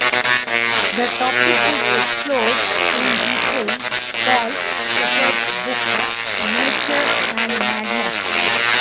The topic is explored in detail Paul Shepard's book "Nature and Madness".